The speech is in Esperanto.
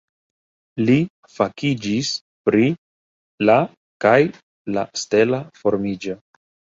Li fakiĝis pri la kaj la stela formiĝo.